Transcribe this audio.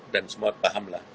dan semua paham lah